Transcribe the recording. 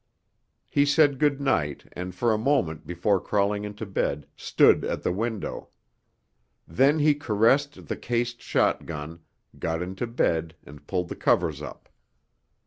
He said good night and for a moment before crawling into bed stood at the window. Then he caressed the cased shotgun, got into bed and pulled the covers up.